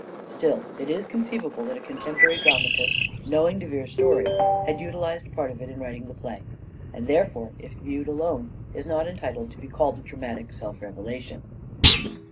Still it is conceivable that a contemporary dramatist, knowing De Vere's story, had utilized parts of it in writing the play ; and, therefore, if viewed alone, is not entitled to be called a dramatic self revelation.